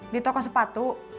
di toko sepatu